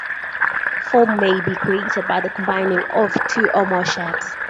Form may be created by the combining of two or more shapes.